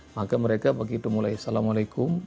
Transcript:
maka mereka begitu mulai assalamualaikum